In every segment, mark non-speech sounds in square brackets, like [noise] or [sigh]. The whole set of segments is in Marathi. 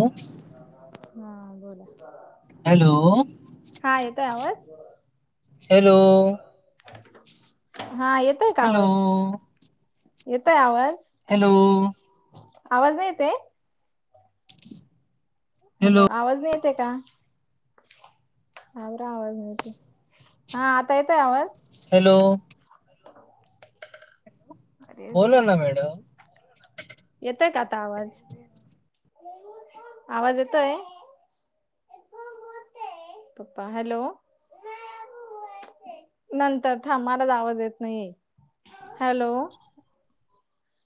हॅलो हा बोला. हॅलो. हा येतोय आवाज हॅलो. हा येतोय का हॅलो आवाज येतोय आवाज. हॅलो. आवाज नाहीयेत. हॅलो आवाज नाही येते का? आाबरा आवाज मातो हा आता येतय आवाज हॅलो. अरे अ देे बोला वा ना मॅडम येतोय का आता आवाज. आवाज येतोय. पपा हॅलो. नंतर थांमाला जा आवाज येत नाही हॅलो.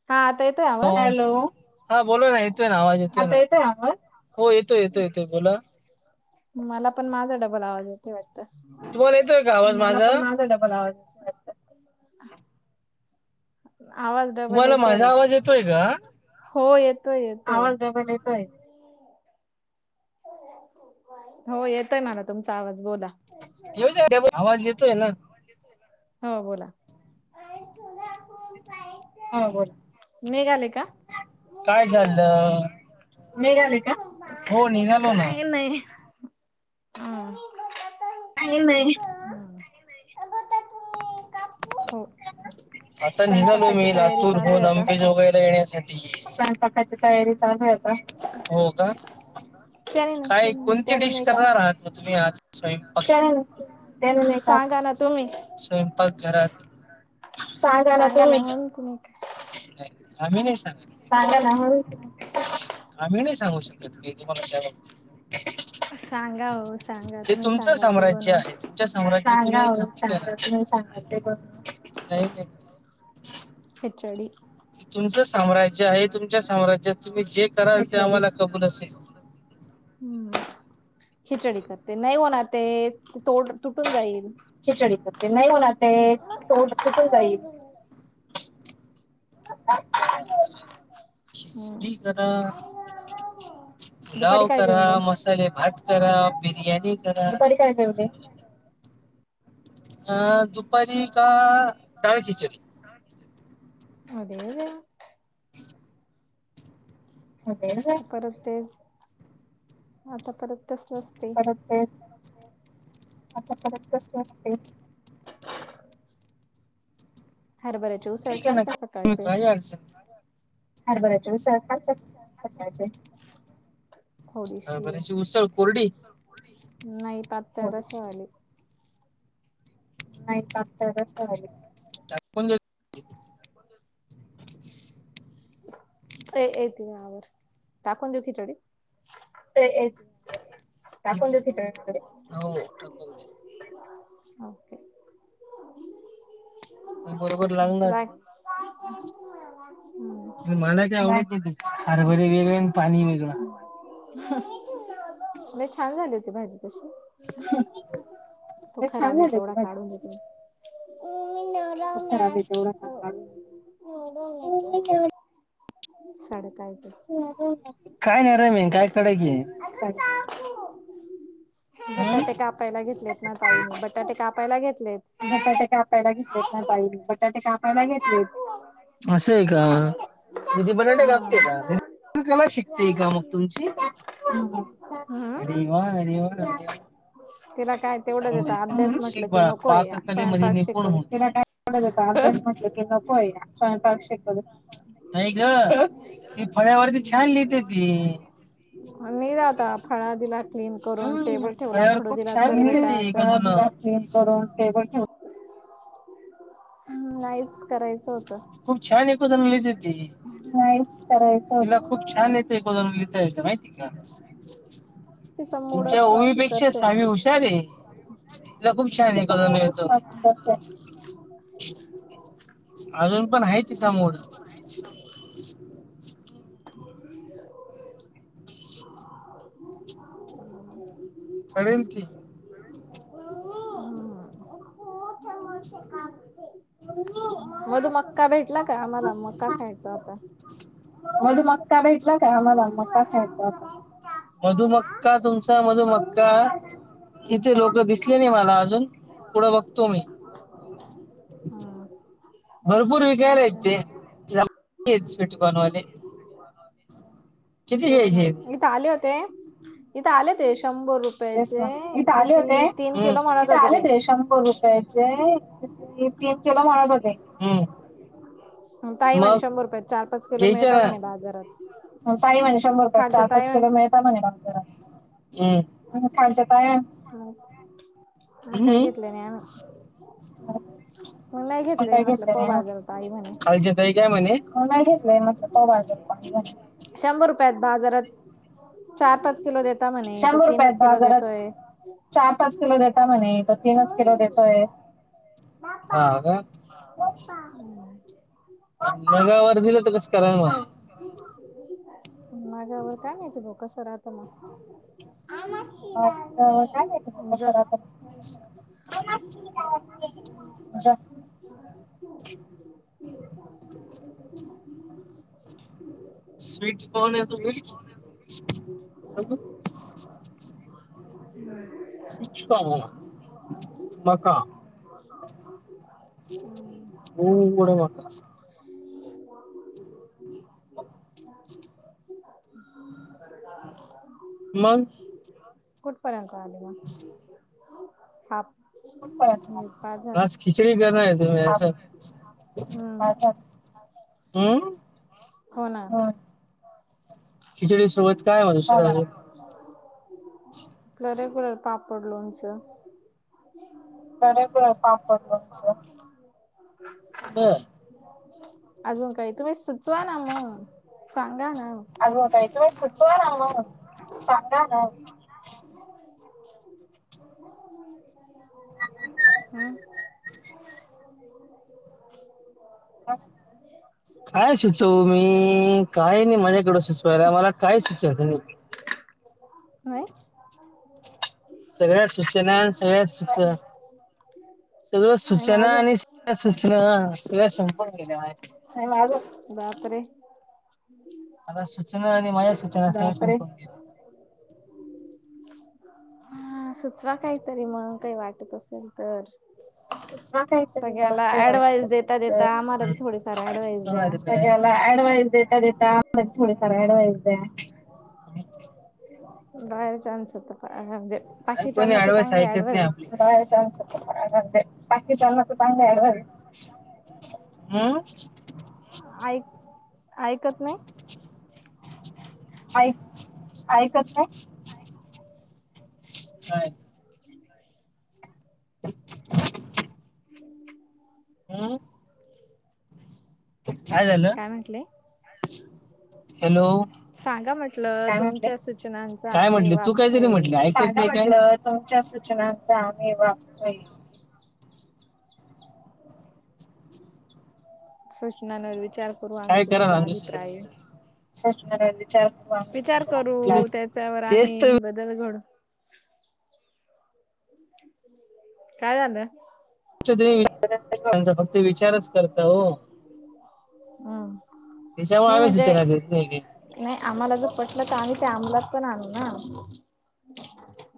हा आता आवाज? हॅलो हा बोला ना येतोय ना आवाज येतोयवा हो येतोय येतो येतोय बोला. मला पण माझा डबल आवाज आहे ते वाटत. तुम्हाला येतोय का आवाज माझा माझा डबल आवाज. येतोय वाटतं. [inaudible] आवाज डबल तुम्हाला येतोय माझा आवाज येतोय का हो येतोय येतोय. आवाज डबल येतोय हो येतय ना ना तुमचा आवाज बोला. केव आवाज येतोय ना. हो बोला. हा बोला निघाले का? काय झालं मीघले का? हो निघालो ना काही नाही ह. का मय ग तुम्ही काप आता निघालो मी लातूर चालू आहे होऊन आता. अंबेज वगैरला येण्यासाठी स्यपाकाची तयारी चालू आहेता हो का? त्याने काय नाही कोणती त्याने डिश नाही काप करणार आहात मग तुम्ही आज स्वय सांगा ना तुम्ही. स्वयंपाक घरात सांगा ना तुम्ही तनकय [unintelligible] आम्ही नाही सांग सांगाय ना आम्ही नाही सांगू शकत की तुम्हाला काय बाबतीत. सांगा हो सांगा तुम्ही सांगाल ते बनू ोांग नाही सांग ते. खिचडी तुमचं साम्राज्य आहे तुमच्या साम्राज्यात तुम्ही जे कराल ते आम्हाला कबूल असेल. हम्म खिचडी करते नाही होणार ते तोड तुटून जाईल. खिचडी कर ते नाही होणार ते तोंड तुटून जाईल. [inaudible] हम्म खिचडी करा दुपारी पुलाव काय करा जेवले मसाले भात रा बिर्याणी करा काय ठ अ परी का टडाळ खिचडी अे का. [unintelligible] अरे वा, परत ते आता परत तस नसते. आता परत परत कस असते. हरभऱ्याची उसळ ठीक आहे खाल का ना्ही सकाळचे का अडचण हारबराचे वि प्रकारचे अ थोडीशी बची उसळ कोरडी नाही पातळ अशी वाली [inaudible] य त मी आवर टाकून देऊ खिचडी. दाकून द त बरोबर [unintelligible] लागणार बाय नाही हम्. [unintelligible] हरभर वेगळे आणि पाणी वेगळं म्हजे छान झाली होती भाजी तशी. तो लय छान खराब आहे झाली होती तेवढा भाजी काढून देतो. त खराब आहे तेवढा का नवरवणे तू साडेकाय ते काय नाही र मन काय कडे की अगं चाकू बटाटे कापायला घेतलेत ना ताईने बटाटे कापायला घेतलेत. बटाटे कापायला घेतलेत ना बाई बटाटे कापायला घेतलेत. [inaudible] असं आहे का ना. दीदी [unintelligible] बटाटे कापते का दीदी कला शिकते का मग तुमची? हम्म. हम् अरे वा अरे वा. तिला काय तेवढंच येत अभ्यास म्हंटलं की नक पा कले म निणला कायव अ म्हटलं की नको आहे स्यंक्षे तय ग ते फळ्यावरती छान लिहिते त खळा दिला. क्लीन करून टेबल ठेवला फळ्यावर खडू खूप दिला छान चल लिहिते ती बेटा मी चल एकजण करून टेबल ठेवून ह नाहीच करायचं. होतं खूप छान एकू जाण लते ती मा करायचला खूप छान येतयोदा लिहिता य माहितीय तिचा मूड तुमच्या असला की उमीपेक्षा करते सामी हुशार आहे. तिला खूप छान ऐकायला मिळतं ऐकून घ्यायचं. ह [unintelligible] अजून पण आहे तिचा मूड ह [unintelligible] ठरेल की हो होठ्या मोठ कामते [unintelligible] मधू मक्का भेटला का आम्हाला मक्का खायचा होता. मधू मका भेटला काय आम्हाला मका खायचा होता मधुमक्का तुमचा मधुमक्का इथे लोकं दिसले नाही मला अजून. पुढं बघतो मी हा [unintelligible] हेच स्विट्स बनवले तेच नं इथं आले होते इथं आले ते शंभर रुप तेच नं, इथे आले होते, हम्म म्हणत इथे होते आले ते शंभर रुपयाचे मी तेच केलं माळा जाते, हम्म. ताई म्हणे मग शंभर रुपयात चार पाच किलो घ्यायचे मिळता ना म्हणे बाजारात ताई म्हणे शंभर रुपयात चार खालच्यात पाच आहे किलो मिळता म्हणे बाजारात हम्म पण खालचं ताई हम्म मी काय हम्म. घेतलं नाही मग मग नाही घेतलयं म्हटलं पाहू बाजारात हाय खालची ताई काय म्हणे. मग नाही घेतलयं म्हटलं पाहू बाजारात [unintelligible] शंभर रुपयात बाजारात चार पाच किलो देत त म्हणे तो शंभर रुपयात तीनच किलो बाजारात देतोय चार पाच किलो देताय म्हणे तो तीनच किलो देतोय पापा हा आहे, का हा बोल, पापा. नगा वर दिलं तर कसं कराय मग नगावर काय माहिती भाऊ कसं राहत मग. [unintelligible] नगावर काय माहिती कसं जा राहत [unintelligible] जा स्वीट कॉर्न आहे तो मिल्की स्वीट कॉर्न आहे तुम्ही, हम्म स्वीट कॉर्न मका गोड मका अस [inaudible] मंग कुठपर्यंत आली मग हा कुठपर्यंत आली, आज खिचडी करणार आहे तुम्ही याच हम्म [unintelligible] हो ना. हम्म. खिचडी सोबत काय मग दुसरं आहे. [unintelligible] पापड लोनचं बरं पापड लोणचं बर अजून काही तुम्ही सुचवा ना मग सांगा ना अजून काही तुम्ही सुचवाना मग सांगा ना हम्म. काय सुचवू मी काय नाही माझ्याकड सुचवाय तर मला काय सुचत नाही. व्हय. सगळ्या सूचेना सगळ्या सुचेना सगळं नाही मग सूचेना अजून आणि सगळ्या सूचना सगळ्या संपून गेल्या माझ्याकडे [unintelligible] बापरे. मला सूचना आणि माझ्या सूचना सगळ संपून गेल. बापरे हा सुचवा काहीतरी मग काही वाटत असेल तर सुचवा काहीतरी मग सगळ्याला काही वाट ऍडवाइस असेल देता तर. देता आम्हाला बी थोडीफार ऍडवाइस द्या नाही [unintelligible] सगळ्या तूला ऍडवाइस देता देता थोडी [unintelligible] बाय चान्स होता काय म्हणजे नाय कोणी बाकीच्यांना तर ऍडवाईस चांगले ऐकत नाही ऍडवाइस आपली. बायचान्स [unintelligible] [unintelligible] आ ऐ ऐकत नाही. ऐ ऐकत नाही. नाही. नाही [inaudible] हम्म काय म्हटले हॅलो सांगा म्हटलं काय म्हटले तुमच्या सूचनांचा आम्ही वाप ये [unintelligible] म्हंटल तुमच्या सूचनांंचा आम्ही वापर ये सूचनांवार विचार करू आम्ही काय कराल तुमच्या आमच्या अभिप्राय सूचनांचं सूचना विचार करू आम्ही विचार तुमच्या तुम्ही करू त्याच्यावर तेच तर आम्ही बदल घडू काय झालं? [unintelligible] फक्त विचारच करता हो हम्म त्याच्यामुळ नाही आम्ही म्हणजे सूचना देेत नाही काही नाही आम्हाला बी पटलं तर आम्ही ते अमलात पण आणू ना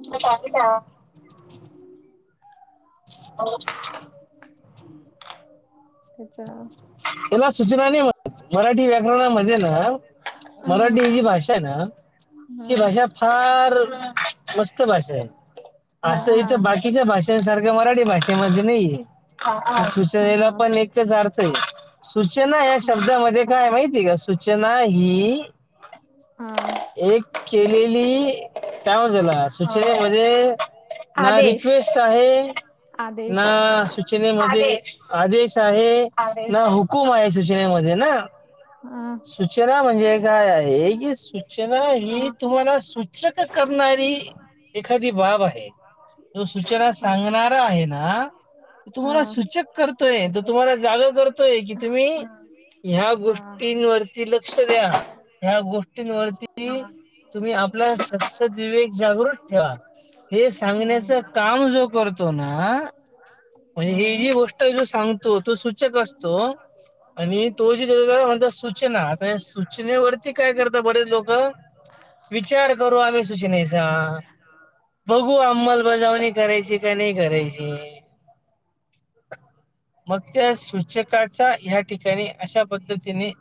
[unintelligible] हो त्याचा त्याला सूचना नाही म्हणत मराठी व्याकरणामध्ये ना हम्म मराठी ही जी भाषा ना ही हम्म भाषा फार मस्त भाषा आहे हा असं हा इथ बाकीच्या भाषा त्या सारख मराठी भाषेमध्ये नाहीये त्या सूचनेला हा पण ते एकच अर्थये सूचना या शब्दामध्ये काये माहिती का सूचना हि हा एक केलेली काय म्हनता त्याला सुचनेमध्ये ना आदेश रिक्वेस्ट आहे ना आदेश सूचनेमध्ये आदेश आदेश आहे ना हुकूम आहे सूचनेमध्ये ना हा सूचना म्हणजे काय आहे की सूचना ही तुम्हाला सूचक करणारी एखादी बाब आहे तो सूचना ओके सांगणार आहे ना तो हा तुम्हाला सूचक करतोय तो तुम्हाला जाग कर तोय की तुम्ही ह्या हा गोष्टींवर ती लक्ष द्या ह्या गोष्टींवरती तुम्ही आपला सत्सद [unintelligible] सांगण्याच काम जो करतो ना म्हणजे ही जी गोष्ट जो सांगतो तो सूचक अस तो आणि तो जी देतो त्याला म्हणता सूचना आता सूचनेवरती काय करता बरेच लोक विचार करू आम्ही सुचनेचा बघू अंमलबजावणी करायची का नाही करायची मग त्या सूचक काचा ह्या ठिकाणी अशा पद्धतीने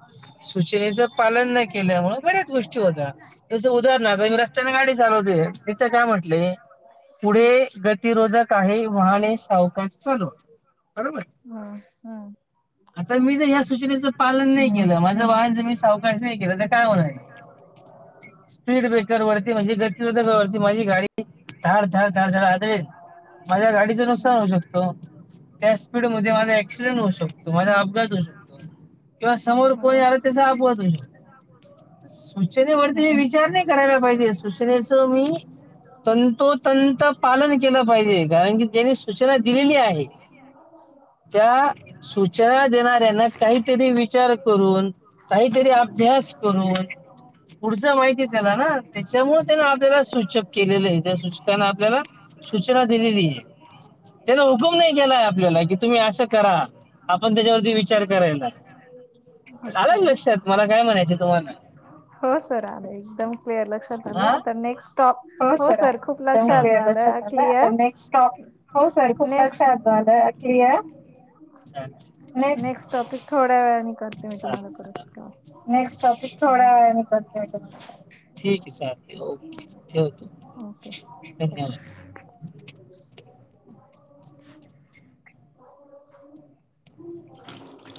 सूचनेचा पालन न केल्यावर बऱ्याच गोष्टी होता. तस उदाहरणार्थ मी रस्त्यान गाडी चालवतोय तिथे काय म्हटलय पुढे गतिरोधक आहे वाहने सावकाश चालवा बरोबर मा हा आता मी जर या सूचनेचं पालन नाही केलं माझं वाहन ज मी सावकाश नाही केलं तर काय होणारे स्पीड ब्रेकर वरती म्हणजे गतिरोधकावरती माझी गाडी धाड धाड धाड आदळेल माझ्या गाडीचं नुकसान हम्म होऊ शकतो. त्या स्पीड मध्ये हम्म माझा एक्सिडेंट होऊ शक तो माझा अपघात होऊ शकतो किंवा समोर कोणी हम्म आला त्याचा अपघात होऊ शकतो. सूचनेवरती मी विचार नाही करायला पाहिजे सूचनेच मी तंतोतंत पालन केलं पाहिजे कारण की त्याने सूचना दिलेली आहे. त्या सूचना देणाऱ्यांना काहीतरी विचार करून काहीतरी अभ्यास करून पुढचं माहिती आहे त्याला ना त्याच्यामुळे त्याने आपल्याला सूचक केलेले आहे त्या सूचकाने आपल्याला सूचना दिलेली आहे त्याने हुकुम नाही केला आहे आपल्याला कि तुम्ही असं करा आपण त्याच्यावरती विचार करायला आलका ओके लक्षात मला काय म्हणायचं तुम्हाला हो सर आले एकदम क्लिअर लक्षात आलं हा आता नेक्स्ट स्टॉप हो सर खूप एकदम लक्षात क्लिअर लक्षात आलं आता क्लिअर नेक्स्ट स्टॉप हो सर खूप नेक्स्ट लक्षात आल क्लिअर छान ने नेक्स्ट टॉपिक थोड्या वेळाने करते मी तुम्हाला चालते चालते नेक्स्ट टॉपिक थोड्या वेळाने करते याच्यानंतर ठीक आहे चालते ओके ठेवतो ओके धन्यवाद [unintelligible]